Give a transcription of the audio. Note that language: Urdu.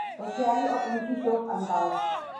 ہوشیاری اور ان کی شوخی انداز